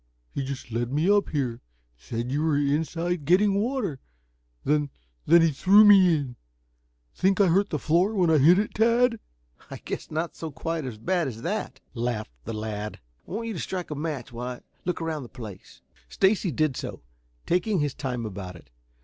He just led me up here. Said you were inside getting water. Then then he threw me in. Think I hurt the floor when I hit it, Tad?" "I guess not quite so bad as that," laughed the lad. "I want you to strike a match while I look around the place." Stacy did so, taking his time about it.